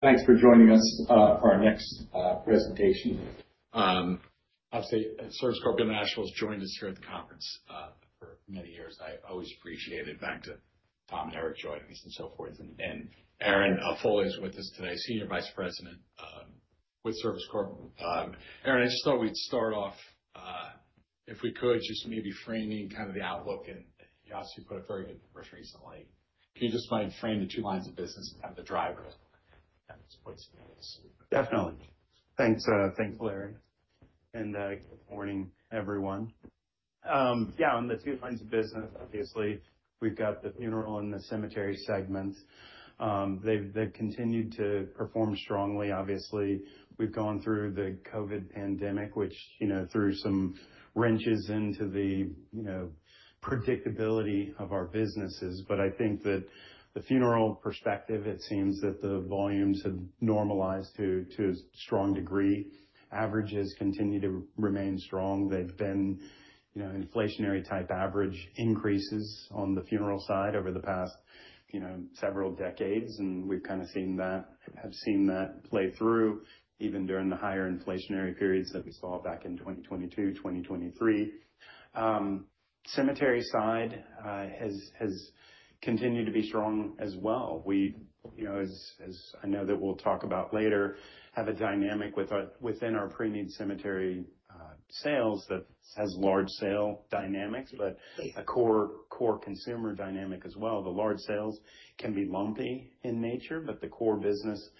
Thanks for joining us for our next presentation. I'll say Service Corporation International has joined us here at the conference for many years. I always appreciate it. Back to Tom and Eric joining us and so forth. Aaron Foley is with us today, Senior Vice President with Service Corp. Aaron, I just thought we'd start off, if we could, just maybe framing kind of the outlook. You put a very good first quarter recently. Can you just remind framing the two lines of business and kind of the drivers at this point? Definitely. Thanks, Larry, and good morning, everyone. Yeah, on the two lines of business, obviously, we've got the funeral and the cemetery segment. They've continued to perform strongly. Obviously, we've gone through the COVID pandemic, which threw some wrenches into the predictability of our businesses. But I think that the funeral perspective, it seems that the volumes have normalized to a strong degree. Averages continue to remain strong. They've been inflationary-type average increases on the funeral side over the past several decades. And we've kind of seen that, have seen that play through even during the higher inflationary periods that we saw back in 2022, 2023. Cemetery side has continued to be strong as well. We, as I know that we'll talk about later, have a dynamic within our pre-need cemetery sales that has large sale dynamics, but a core consumer dynamic as well. The large sales can be lumpy in nature, but the core business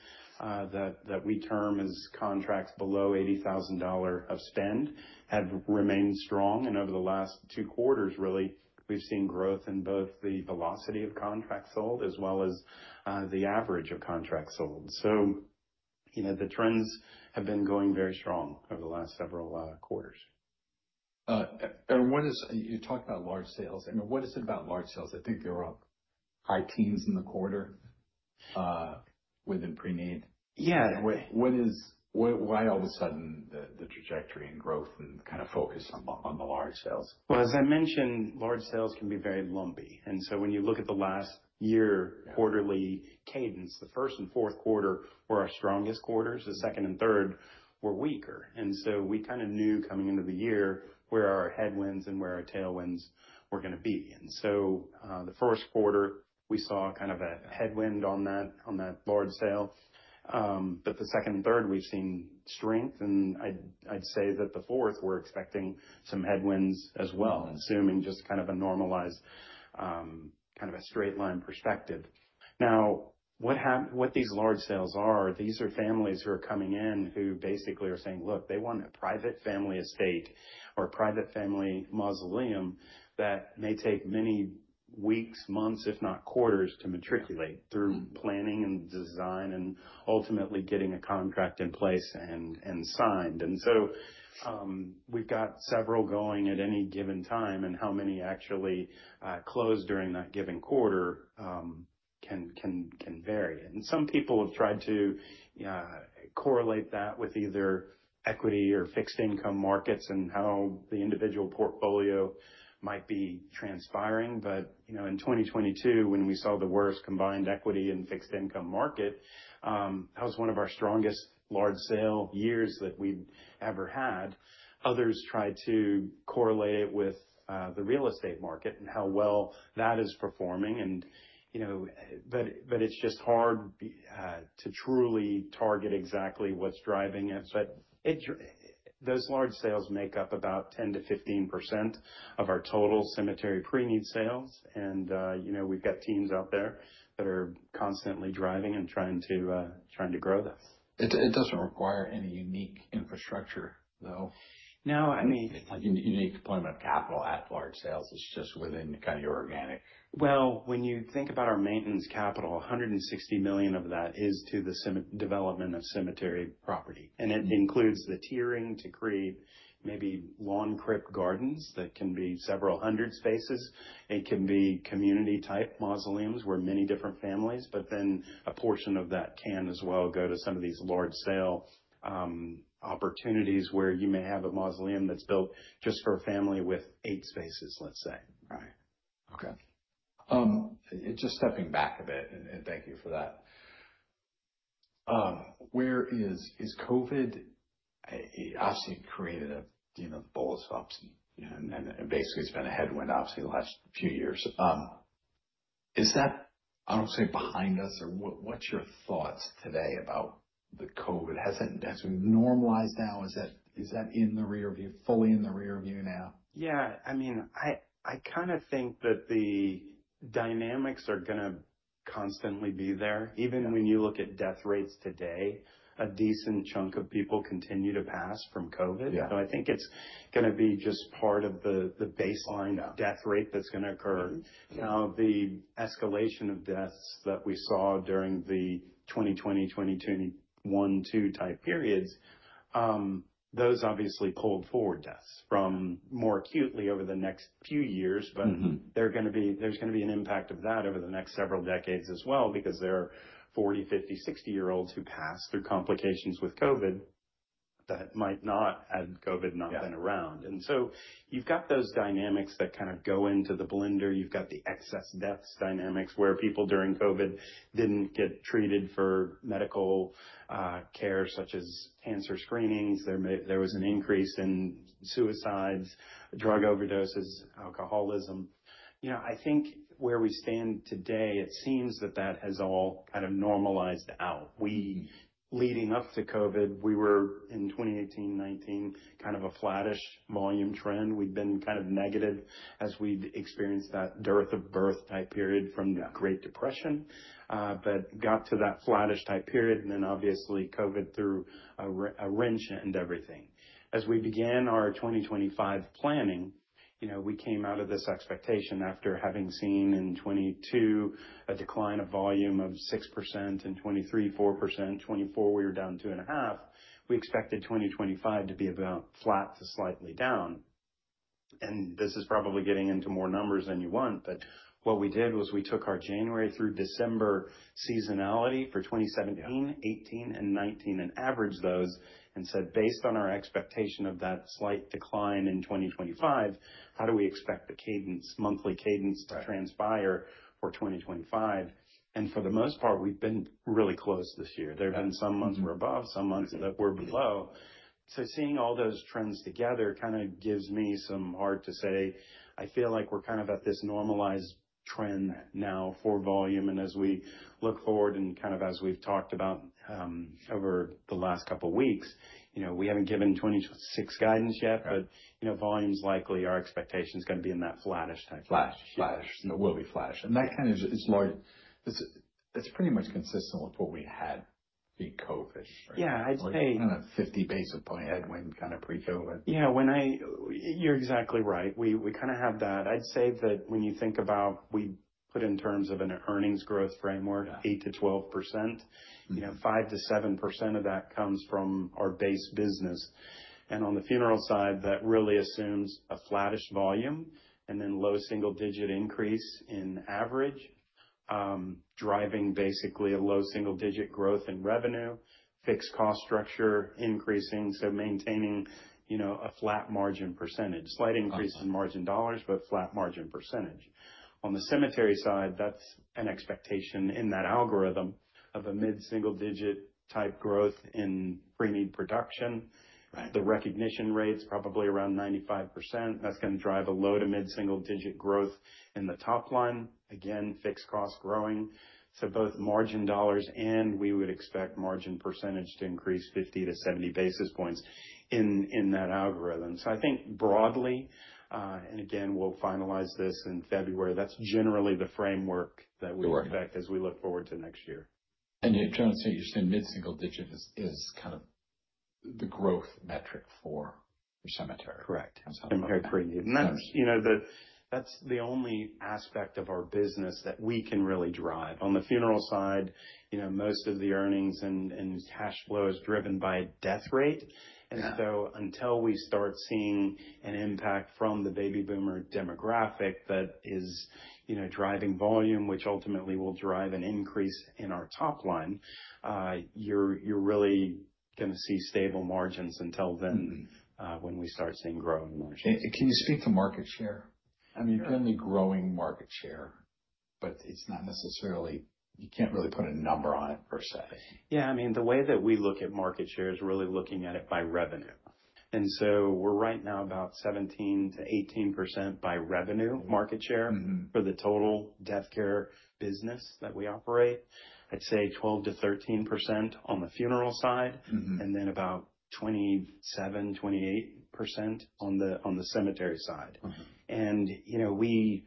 that we term as contracts below $80,000 of spend have remained strong, and over the last two quarters, really, we've seen growth in both the velocity of contracts sold as well as the average of contracts sold, so the trends have been going very strong over the last several quarters. And you talked about large sales. I mean, what is it about large sales? I think there were up high teens in the quarter within pre-need. Yeah. Why all of a sudden the trajectory and growth and kind of focus on the large sales? As I mentioned, large sales can be very lumpy. And so when you look at the last year quarterly cadence, the first and fourth quarter were our strongest quarters. The second and third were weaker. And so we kind of knew coming into the year where our headwinds and where our tailwinds were going to be. And so the first quarter, we saw kind of a headwind on that large sale. But the second and third, we've seen strength. And I'd say that the fourth, we're expecting some headwinds as well, assuming just kind of a normalized kind of a straight line perspective. Now, what these large sales are, these are families who are coming in who basically are saying, "Look, they want a private family estate or a private family mausoleum that may take many weeks, months, if not quarters, to materialize through planning and design and ultimately getting a contract in place and signed," and so we've got several going at any given time, and how many actually close during that given quarter can vary, and some people have tried to correlate that with either equity or fixed income markets and how the individual portfolio might be transpiring, but in 2022, when we saw the worst combined equity and fixed income market, that was one of our strongest large sale years that we've ever had. Others tried to correlate it with the real estate market and how well that is performing. But it's just hard to truly target exactly what's driving it. But those large sales make up about 10%-15% of our total cemetery pre-need sales. And we've got teams out there that are constantly driving and trying to grow this. It doesn't require any unique infrastructure, though. No. I mean. Unique deployment of capital at large sales is just within kind of your organic. When you think about our maintenance capital, $160 million of that is to the development of cemetery property. And it includes the tiering to create maybe lawn crypt gardens that can be several hundred spaces. It can be community-type mausoleums where many different families, but then a portion of that can as well go to some of these large sale opportunities where you may have a mausoleum that's built just for a family with eight spaces, let's say. Right. Okay. Just stepping back a bit, and thank you for that. Is COVID obviously created a bolus of and basically it's been a headwind, obviously, the last few years. Is that, I don't say, behind us? Or what's your thoughts today about the COVID? Has it normalized now? Is that in the rearview, fully in the rearview now? Yeah. I mean, I kind of think that the dynamics are going to constantly be there. Even when you look at death rates today, a decent chunk of people continue to pass from COVID. So I think it's going to be just part of the baseline death rate that's going to occur. Now, the escalation of deaths that we saw during the 2020, 2021, 2022-type periods, those obviously pulled forward deaths from more acutely over the next few years. But there's going to be an impact of that over the next several decades as well because there are 40, 50, 60-year-olds who pass through complications with COVID that might not had COVID not been around. And so you've got those dynamics that kind of go into the blender. You've got the excess deaths dynamics where people during COVID didn't get treated for medical care such as cancer screenings. There was an increase in suicides, drug overdoses, alcoholism. I think where we stand today, it seems that that has all kind of normalized out. Leading up to COVID, we were in 2018, 2019, kind of a flattish volume trend. We'd been kind of negative as we'd experienced that dearth of birth type period from the Great Depression, but got to that flattish type period, and then obviously, COVID threw a wrench in everything. As we began our 2025 planning, we came out of this expectation after having seen in 2022 a decline of volume of 6%, in 2023, 4%. 2024, we were down 2.5%. We expected 2025 to be about flat to slightly down, and this is probably getting into more numbers than you want. But what we did was we took our January through December seasonality for 2017, 2018, and 2019 and averaged those and said, "Based on our expectation of that slight decline in 2025, how do we expect the monthly cadence to transpire for 2025?" And for the most part, we've been really close this year. There have been some months we're above, some months that we're below. So seeing all those trends together kind of gives me some heart to say, "I feel like we're kind of at this normalized trend now for volume." And as we look forward and kind of as we've talked about over the last couple of weeks, we haven't given 2026 guidance yet, but volume's likely our expectation is going to be in that flattish type range. Flattish. It will be flattish, and that kind of is pretty much consistent with what we had pre-COVID. Yeah. I'd say. Kind of 50 basis points headwind kind of pre-COVID. Yeah. You're exactly right. We kind of have that. I'd say that when you think about we put in terms of an earnings growth framework, 8%-12%, 5%-7% of that comes from our base business. And on the funeral side, that really assumes a flattish volume and then low single-digit increase in average, driving basically a low single-digit growth in revenue, fixed cost structure increasing, so maintaining a flat margin percentage, slight increase in margin dollars, but flat margin percentage. On the cemetery side, that's an expectation in that algorithm of a mid-single-digit type growth in pre-need production. The recognition rate's probably around 95%. That's going to drive a low to mid-single-digit growth in the top line. Again, fixed cost growing. So both margin dollars and we would expect margin percentage to increase 50-70 basis points in that algorithm. So I think broadly, and again, we'll finalize this in February. That's generally the framework that we expect as we look forward to next year. You're trying to say you're saying mid-single digit is kind of the growth metric for cemetery? Correct. Cemetery pre-needs. That's the only aspect of our business that we can really drive. On the funeral side, most of the earnings and cash flow is driven by death rate. So until we start seeing an impact from the Baby Boomer demographic that is driving volume, which ultimately will drive an increase in our top line, you're really going to see stable margins until then when we start seeing growing margins. Can you speak to market share? I mean, you're currently growing market share, but it's not necessarily you can't really put a number on it per se. Yeah. I mean, the way that we look at market share is really looking at it by revenue. And so we're right now about 17%-18% by revenue market share for the total deathcare business that we operate. I'd say 12%-13% on the funeral side, and then about 27%-28% on the cemetery side. And we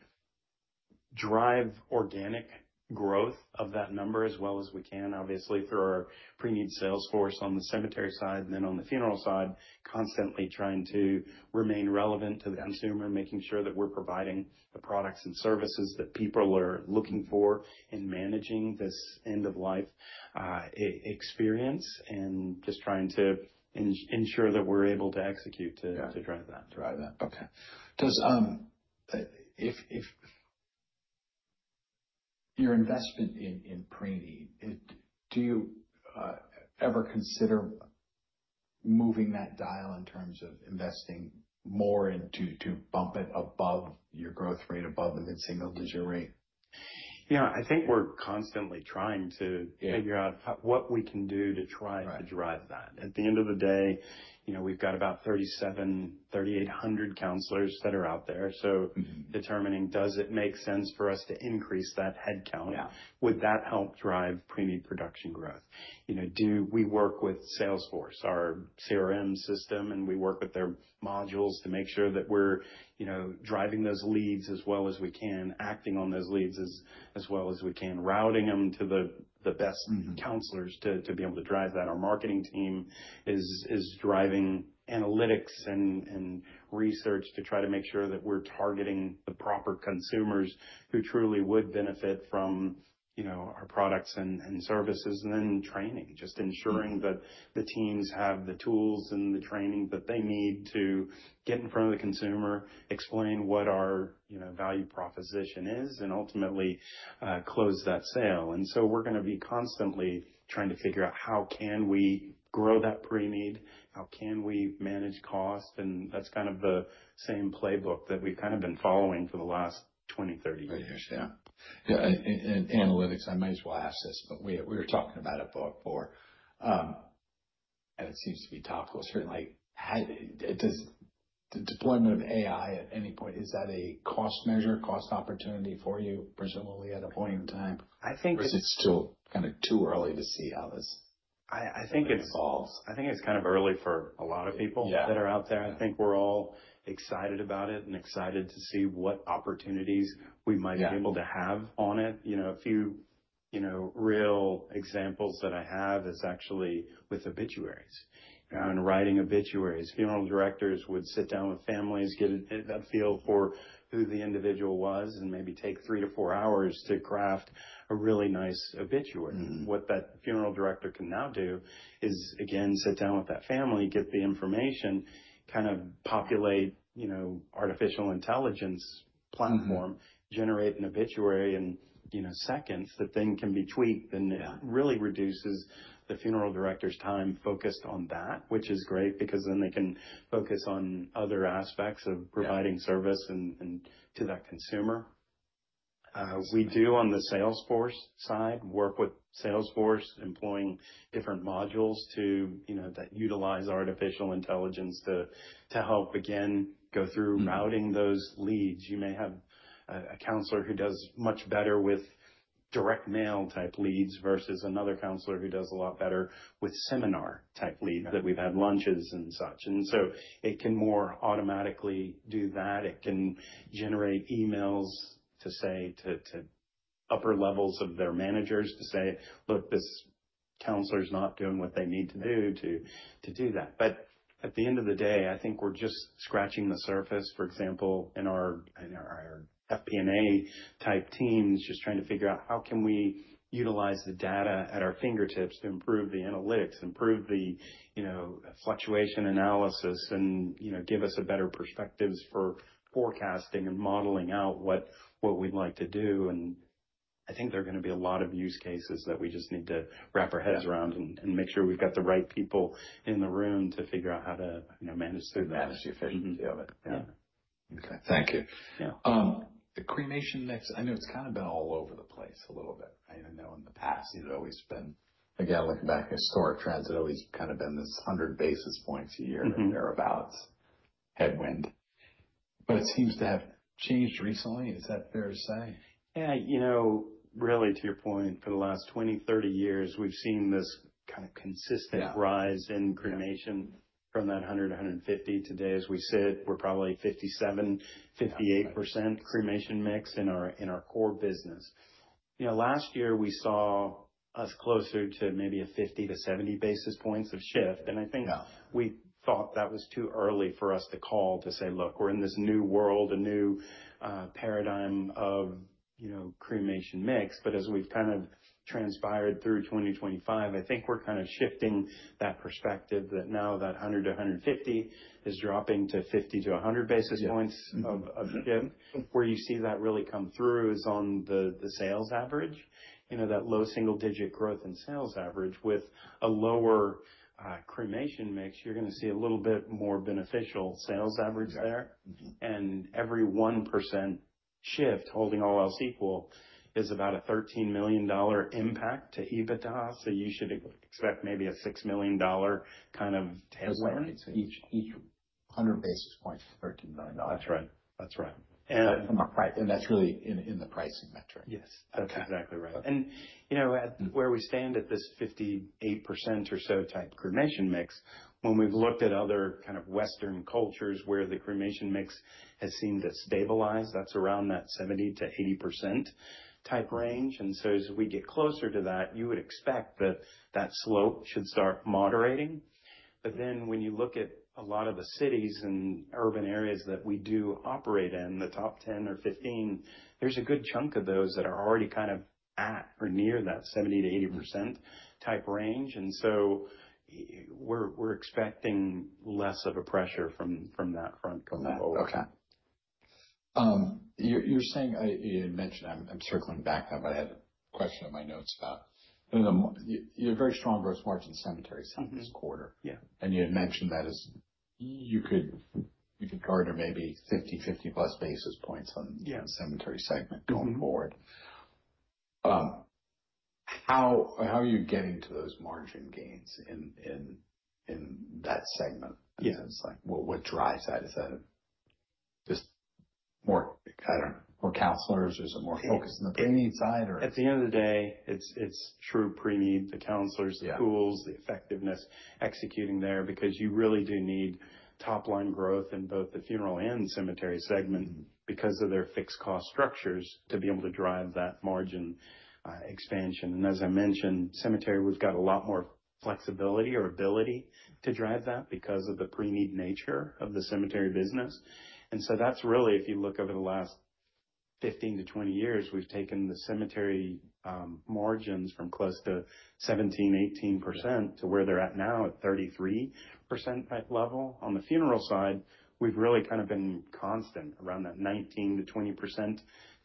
drive organic growth of that number as well as we can, obviously, through our pre-need sales force on the cemetery side, and then on the funeral side, constantly trying to remain relevant to the consumer, making sure that we're providing the products and services that people are looking for in managing this end-of-life experience and just trying to ensure that we're able to execute to drive that. Drive that. Okay. Your investment in pre-need, do you ever consider moving that dial in terms of investing more to bump it above your growth rate, above the mid-single digit rate? Yeah. I think we're constantly trying to figure out what we can do to try to drive that. At the end of the day, we've got about 3,700, 3,800 counselors that are out there. So determining, does it make sense for us to increase that headcount? Would that help drive pre-need production growth? We work with Salesforce, our CRM system, and we work with their modules to make sure that we're driving those leads as well as we can, acting on those leads as well as we can, routing them to the best counselors to be able to drive that. Our marketing team is driving analytics and research to try to make sure that we're targeting the proper consumers who truly would benefit from our products and services. And then training, just ensuring that the teams have the tools and the training that they need to get in front of the consumer, explain what our value proposition is, and ultimately close that sale. And so we're going to be constantly trying to figure out how can we grow that pre-need, how can we manage costs. And that's kind of the same playbook that we've kind of been following for the last 20-30 years. 30 years. Yeah. Yeah. And analytics, I might as well ask this, but we were talking about it before and it seems to be topical. Certainly, the deployment of AI at any point, is that a cost measure, cost opportunity for you, presumably at a point in time? Or is it still kind of too early to see how this? I think it's false. I think it's kind of early for a lot of people that are out there. I think we're all excited about it and excited to see what opportunities we might be able to have on it. A few real examples that I have is actually with obituaries. In writing obituaries, funeral directors would sit down with families, get a feel for who the individual was, and maybe take three to four hours to craft a really nice obituary. What that funeral director can now do is, again, sit down with that family, get the information, kind of populate an artificial intelligence platform, generate an obituary in seconds. The thing can be tweaked and really reduces the funeral director's time focused on that, which is great because then they can focus on other aspects of providing service to that consumer. We do, on the Salesforce side, work with Salesforce, employing different modules that utilize artificial intelligence to help, again, go through routing those leads. You may have a counselor who does much better with direct mail type leads versus another counselor who does a lot better with seminar type leads that we've had lunches and such, and so it can more automatically do that. It can generate emails to say to upper levels of their managers to say, "Look, this counselor's not doing what they need to do to do that," but at the end of the day, I think we're just scratching the surface. For example, in our FP&A type teams, just trying to figure out how can we utilize the data at our fingertips to improve the analytics, improve the fluctuation analysis, and give us better perspectives for forecasting and modeling out what we'd like to do. And I think there are going to be a lot of use cases that we just need to wrap our heads around and make sure we've got the right people in the room to figure out how to manage through that. Manage the efficiency of it. Yeah. Okay. Thank you. The cremation mix, I know it's kind of been all over the place a little bit. I know in the past, it had always been, again, looking back at historic trends, it had always kind of been this 100 basis points a year thereabouts headwind. But it seems to have changed recently. Is that fair to say? Yeah. Really, to your point, for the last 20, 30 years, we've seen this kind of consistent rise in cremation from that 100-150. Today, as we sit, we're probably 57%-58% cremation mix in our core business. Last year, we saw us closer to maybe a 50-70 basis points of shift. And I think we thought that was too early for us to call to say, "Look, we're in this new world, a new paradigm of cremation mix." But as we've kind of transpired through 2025, I think we're kind of shifting that perspective that now that 100-150 is dropping to 50-100 basis points of shift. Where you see that really come through is on the sales average, that low single-digit growth in sales average. With a lower cremation mix, you're going to see a little bit more beneficial sales average there. And every 1% shift holding all else equal is about a $13 million impact to EBITDA. So you should expect maybe a $6 million kind of headwind. Each 100 basis points, $13 million. That's right. That's right. And that's really in the pricing metric. Yes. That's exactly right. And where we stand at this 58% or so type cremation mix, when we've looked at other kind of Western cultures where the cremation mix has seemed to stabilize, that's around that 70%-80% type range. And so as we get closer to that, you would expect that that slope should start moderating. But then when you look at a lot of the cities and urban areas that we do operate in, the top 10 or 15, there's a good chunk of those that are already kind of at or near that 70%-80% type range. And so we're expecting less of a pressure from that front going forward. Okay. You mentioned I'm circling back now, but I had a question in my notes about your very strong adverse margin in the cemetery segment this quarter. And you had mentioned that you could garner maybe 50, 50-plus basis points on the cemetery segment going forward. How are you getting to those margin gains in that segment? What drives that? Is that just more, I don't know, more counselors? Is it more focused on the pre-need side or? At the end of the day, it's true pre-need, the counselors, the tools, the effectiveness executing there because you really do need top-line growth in both the funeral and cemetery segment because of their fixed cost structures to be able to drive that margin expansion. And as I mentioned, cemetery, we've got a lot more flexibility or ability to drive that because of the pre-need nature of the cemetery business. And so that's really, if you look over the last 15-20 years, we've taken the cemetery margins from close to 17%-18% to where they're at now at 33% type level. On the funeral side, we've really kind of been constant around that 19%-20%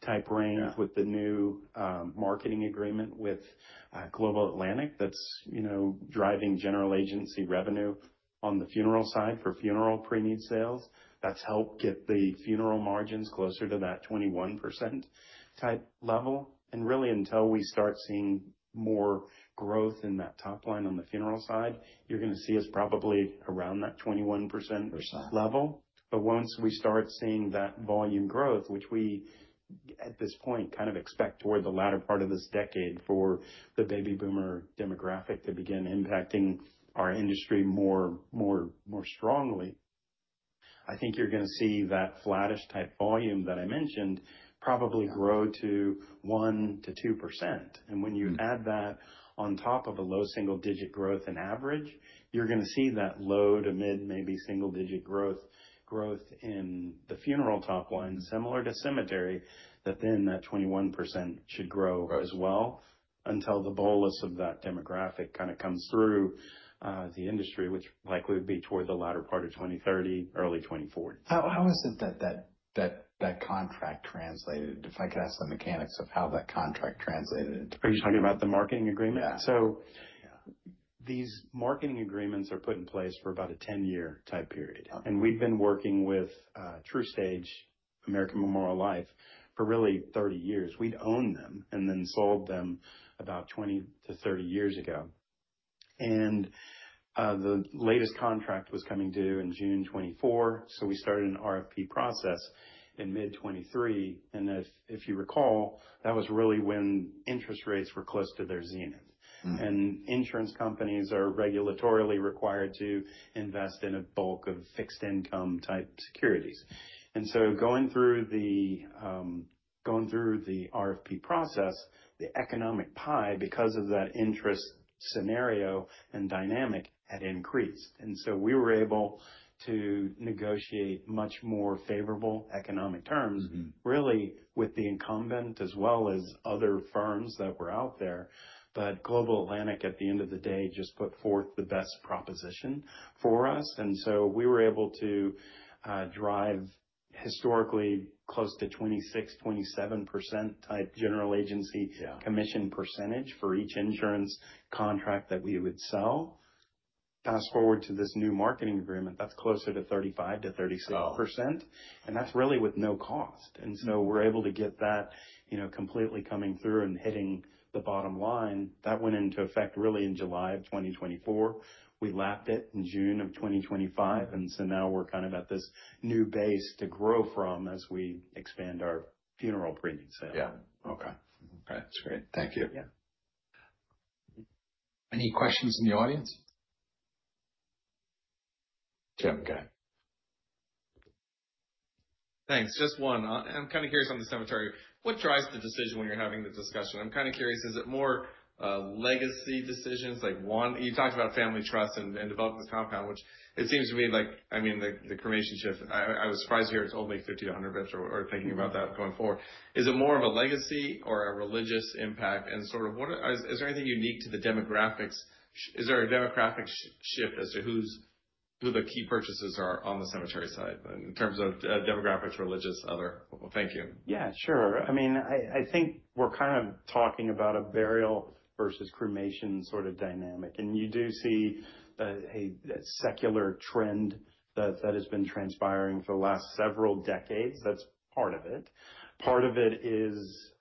type range with the new marketing agreement with Global Atlantic that's driving general agency revenue on the funeral side for funeral pre-need sales. That's helped get the funeral margins closer to that 21% type level. And really, until we start seeing more growth in that top line on the funeral side, you're going to see us probably around that 21% level. But once we start seeing that volume growth, which we at this point kind of expect toward the latter part of this decade for the Baby Boomer demographic to begin impacting our industry more strongly, I think you're going to see that flattish type volume that I mentioned probably grow to 1%-2%. And when you add that on top of a low single-digit growth in average, you're going to see that low to mid maybe single-digit growth in the funeral top line, similar to cemetery, that then that 21% should grow as well until the bolus of that demographic kind of comes through the industry, which likely would be toward the latter part of 2030, early 2040. How is it that that contract translated? If I could ask the mechanics of how that contract translated into. Are you talking about the marketing agreement? Yeah. So these marketing agreements are put in place for about a 10-year type period. And we've been working with TruStage, American Memorial Life for really 30 years. We'd owned them and then sold them about 20-30 years ago. And the latest contract was coming due in June 2024. So we started an RFP process in mid-2023. And if you recall, that was really when interest rates were close to their zenith. And insurance companies are regulatorily required to invest in a bulk of fixed-income type securities. And so going through the RFP process, the economic pie because of that interest scenario and dynamic had increased. And so we were able to negotiate much more favorable economic terms, really, with the incumbent as well as other firms that were out there. But Global Atlantic, at the end of the day, just put forth the best proposition for us. And so we were able to drive historically close to 26-27% type general agency commission percentage for each insurance contract that we would sell. Fast forward to this new marketing agreement, that's closer to 35-36%. And that's really with no cost. And so we're able to get that completely coming through and hitting the bottom line. That went into effect really in July of 2024. We lapped it in June of 2025. And so now we're kind of at this new base to grow from as we expand our funeral pre-need sales. Yeah. Okay. That's great. Thank you. Any questions in the audience? Tim, go ahead. Thanks. Just one. I'm kind of curious on the cemetery. What drives the decision when you're having the discussion? I'm kind of curious, is it more legacy decisions? You talked about family trust and developing this compound, which it seems to me like, I mean, the cremation shift, I was surprised to hear it's only 50 to 100 basis points or thinking about that going forward. Is it more of a legacy or a religious impact? And sort of is there anything unique to the demographics? Is there a demographic shift as to who the key purchasers are on the cemetery side in terms of demographics, religious, other? Thank you. Yeah, sure. I mean, I think we're kind of talking about a burial versus cremation sort of dynamic. And you do see a secular trend that has been transpiring for the last several decades. That's part of it. Part of it is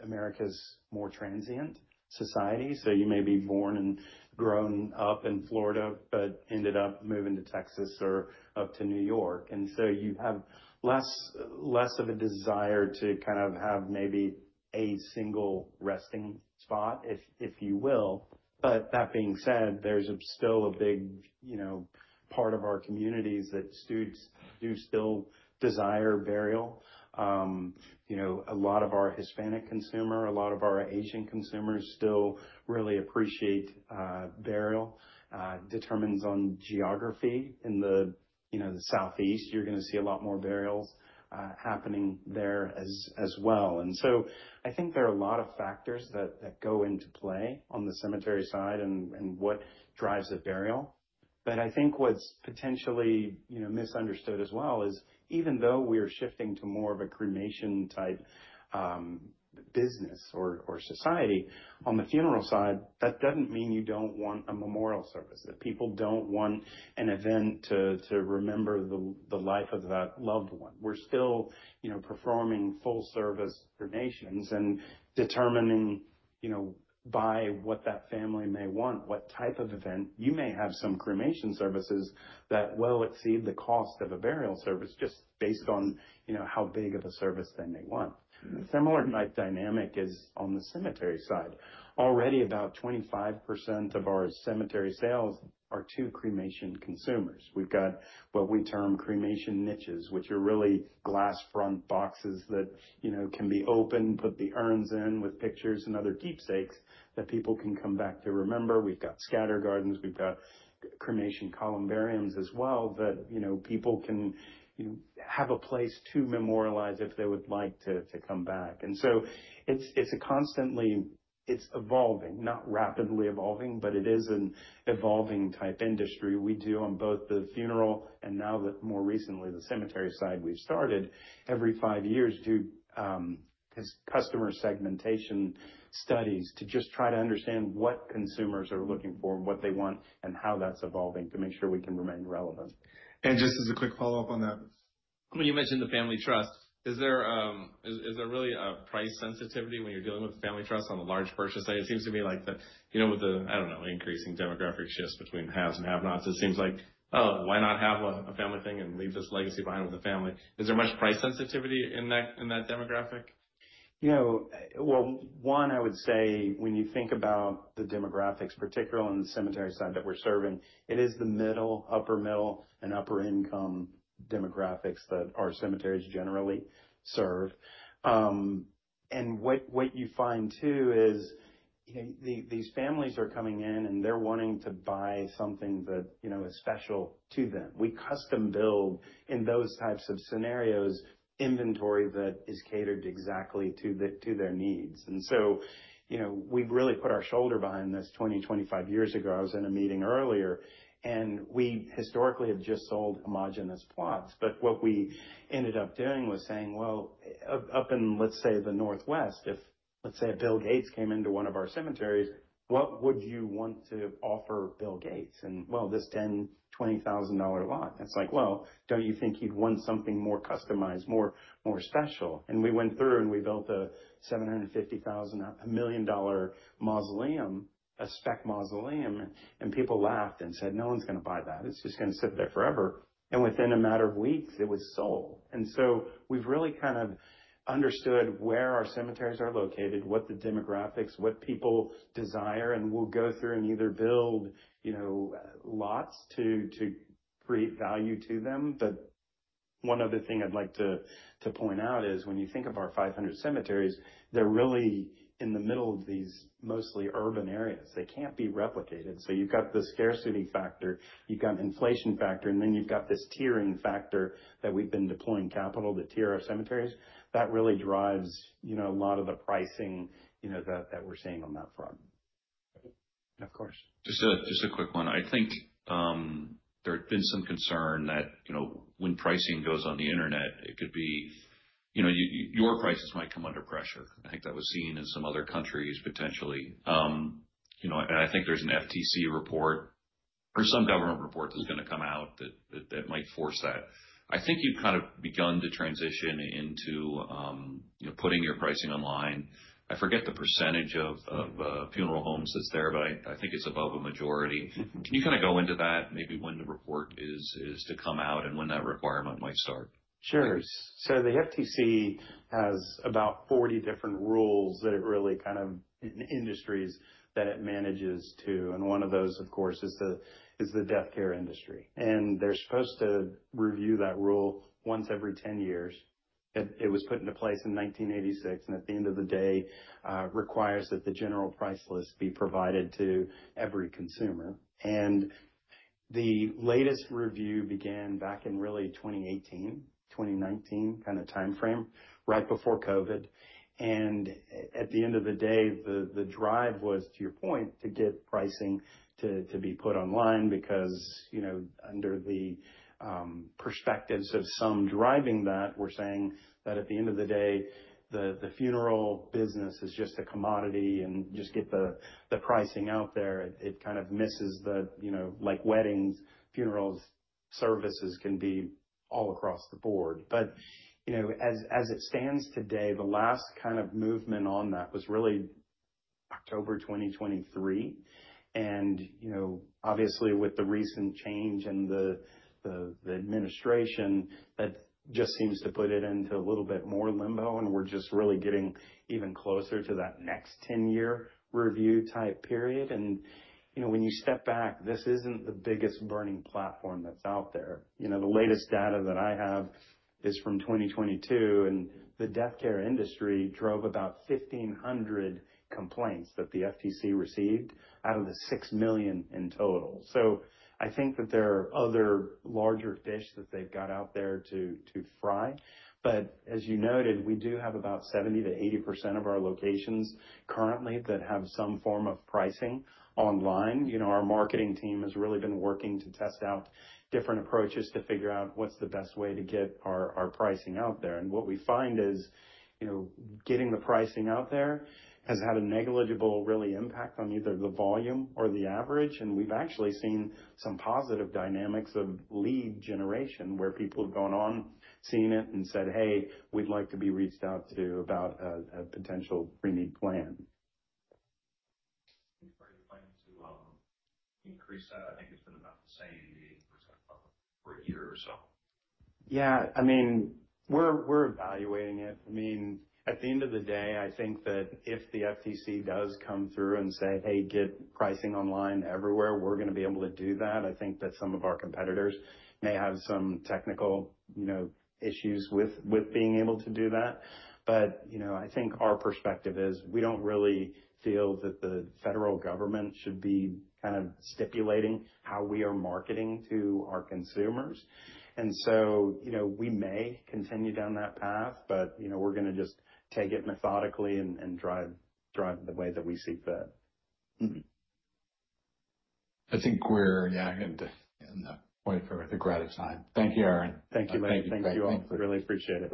America's more transient society. So you may be born and grown up in Florida but ended up moving to Texas or up to New York. And so you have less of a desire to kind of have maybe a single resting spot, if you will. But that being said, there's still a big part of our communities that do still desire burial. A lot of our Hispanic consumers, a lot of our Asian consumers still really appreciate burial. It depends on geography. In the Southeast, you're going to see a lot more burials happening there as well. And so I think there are a lot of factors that go into play on the cemetery side and what drives the burial. But I think what's potentially misunderstood as well is even though we are shifting to more of a cremation type business or society on the funeral side, that doesn't mean you don't want a memorial service, that people don't want an event to remember the life of that loved one. We're still performing full-service cremations and determining by what that family may want, what type of event. You may have some cremation services that will exceed the cost of a burial service just based on how big of a service they may want. Similar type dynamic is on the cemetery side. Already about 25% of our cemetery sales are to cremation consumers. We've got what we term cremation niches, which are really glass front boxes that can be opened, put the urns in with pictures and other keepsakes that people can come back to remember. We've got scatter gardens. We've got cremation columbarium as well that people can have a place to memorialize if they would like to come back. And so it's constantly evolving, not rapidly evolving, but it is an evolving type industry. We do on both the funeral and now more recently the cemetery side we've started every five years to do customer segmentation studies to just try to understand what consumers are looking for, what they want, and how that's evolving to make sure we can remain relevant. Just as a quick follow-up on that. When you mentioned the family trust, is there really a price sensitivity when you're dealing with family trusts on the large purchase side? It seems to me like with the, I don't know, increasing demographic shifts between haves and have-nots, it seems like, oh, why not have a family thing and leave this legacy behind with the family? Is there much price sensitivity in that demographic? One, I would say when you think about the demographics, particularly on the cemetery side that we're serving, it is the middle, upper-middle, and upper-income demographics that our cemeteries generally serve. And what you find too is these families are coming in and they're wanting to buy something that is special to them. We custom build in those types of scenarios inventory that is catered exactly to their needs. And so we really put our shoulder behind this 20, 25 years ago. I was in a meeting earlier, and we historically have just sold homogeneous plots. But what we ended up doing was saying, well, up in, let's say, the Northwest, if, let's say, a Bill Gates came into one of our cemeteries, what would you want to offer Bill Gates? And, well, this $10,000, $20,000 lot. It's like, well, don't you think he'd want something more customized, more special? And we went through and we built a $750,000, $1 million mausoleum, a spec mausoleum, and people laughed and said, no one's going to buy that. It's just going to sit there forever, and within matter of weeks it was sold. And so we've really kind of understood where our cemeteries are located, what the demographics, what people desire, and we'll go through and either build lots to create value to them. But one other thing I'd like to point out is when you think of our 500 cemeteries, they're really in the middle of these mostly urban areas. They can't be replicated. So you've got the scarcity factor, you've got an inflation factor, and then you've got this tiering factor that we've been deploying capital to tier our cemeteries. That really drives a lot of the pricing that we're seeing on that front. Of course. Just a quick one. I think there had been some concern that when pricing goes on the internet, it could be your prices might come under pressure. I think that was seen in some other countries potentially. And I think there's an FTC report or some government report that's going to come out that might force that. I think you've kind of begun to transition into putting your pricing online. I forget the percentage of funeral homes that's there, but I think it's above a majority. Can you kind of go into that, maybe when the report is to come out and when that requirement might start? Sure. So the FTC has about 40 different rules that it really kind of industries that it manages to. And one of those, of course, is the deathcare industry. And they're supposed to review that rule once every 10 years. It was put into place in 1986, and at the end of the day, requires that the General Price List be provided to every consumer. And the latest review began back in really 2018, 2019 kind of timeframe, right before COVID. And at the end of the day, the drive was, to your point, to get pricing to be put online because under the perspectives of some driving that, we're saying that at the end of the day, the funeral business is just a commodity and just get the pricing out there. It kind of misses the weddings, funerals, services can be all across the board. But as it stands today, the last kind of movement on that was really October 2023. And obviously, with the recent change in the administration, that just seems to put it into a little bit more limbo, and we're just really getting even closer to that next 10-year review type period. And when you step back, this isn't the biggest burning platform that's out there. The latest data that I have is from 2022, and the deathcare industry drove about 1,500 complaints that the FTC received out of the 6 million in total. So I think that there are other larger fish that they've got out there to fry. But as you noted, we do have about 70%-80% of our locations currently that have some form of pricing online. Our marketing team has really been working to test out different approaches to figure out what's the best way to get our pricing out there. And what we find is getting the pricing out there has had a negligible, really, impact on either the volume or the average. And we've actually seen some positive dynamics of lead generation where people have gone on, seen it, and said, "Hey, we'd like to be reached out to about a potential pre-need plan. Are you planning to increase that? I think it's been about the same 80% for a year or so. Yeah. I mean, we're evaluating it. I mean, at the end of the day, I think that if the FTC does come through and say, "Hey, get pricing online everywhere," we're going to be able to do that. I think that some of our competitors may have some technical issues with being able to do that. But I think our perspective is we don't really feel that the federal government should be kind of stipulating how we are marketing to our consumers. And so we may continue down that path, but we're going to just take it methodically and drive the way that we see fit. I think I'm going to end the point for the credit side. Thank you, Aaron. Thank you, Mike. Thank you. Thank you. I really appreciate it.